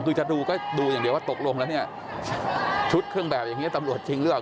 คือจะดูก็ดูอย่างเดียวว่าตกลงแล้วเนี่ยชุดเครื่องแบบอย่างนี้ตำรวจจริงหรือเปล่า